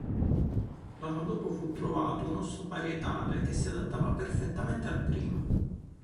L'anno dopo fu trovato un osso parietale che si adattava perfettamente al primo.